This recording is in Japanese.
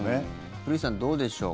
古市さん、どうでしょう？